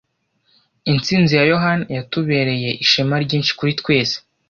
Intsinzi ya yohani yatubereye ishema ryinshi kuri twese.